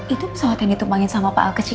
itu pesawat yang ditumpangin sama pak alkes